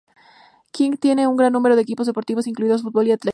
King tiene un gran número de equipos deportivos incluidos fútbol y atletismo.